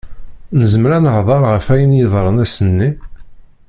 Nezmer ad nehder ɣef ayen yeḍran ass-nni?